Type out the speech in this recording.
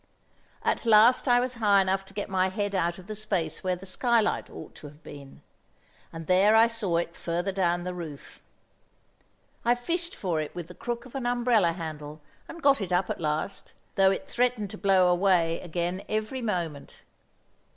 At last I was high enough to get my head out of the space where the skylight ought to have been, and there I saw it further down the roof. I fished for it with the crook of an umbrella handle, and got it up at last, though it threatened to blow away again every moment.